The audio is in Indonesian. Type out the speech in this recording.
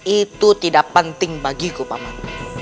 itu tidak penting bagiku pak man